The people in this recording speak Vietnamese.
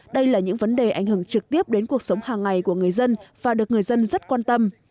đây là những vấn đề ảnh hưởng trực tiếp đến cuộc sống hàng ngày của người dân và được người dân rất quan tâm